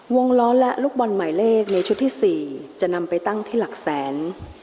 วงล้อและลูกบอลหมายเลขในชุดที่๔จะนำไปตั้งที่หลักแสน